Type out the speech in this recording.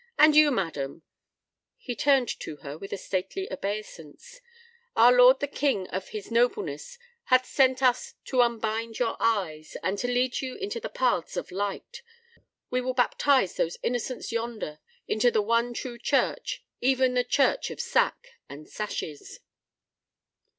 And you, madam" (he turned to her with a stately obeisance), "our Lord the King of his nobleness hath sent us to unbind your eyes—and to lead you into the paths of light. We will baptize those innocents yonder into the one true church, even the church of Sack—and Sashes.